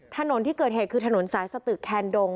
ถนนที่เกิดเหตุคือถนนสายสตึกแคนดง